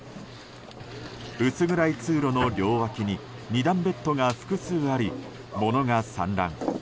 薄暗い通路の両脇に２段ベッドが複数あり物が散乱。